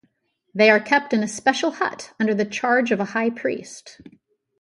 They are kept in a special hut under the charge of a high priest.